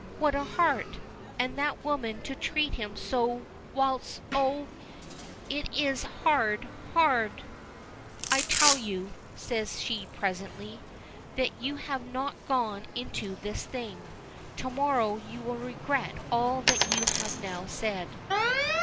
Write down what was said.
"What a heart! and that woman to treat him so whilst oh! it is hard hard!" "I tell you," says she presently, "that you have not gone into this thing. To morrow you will regret all that you have now said."